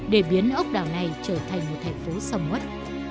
để biến ốc đảo này trở thành một thành phố sầm quất